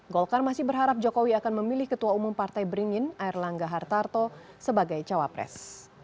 golkar masih berharap jokowi akan memilih ketua umum partai beringin air langga hartarto sebagai cawapres